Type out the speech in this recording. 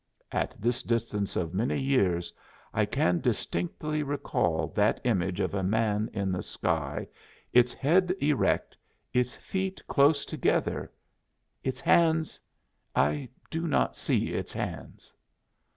At this distance of many years I can distinctly recall that image of a man in the sky, its head erect, its feet close together, its hands I do not see its hands.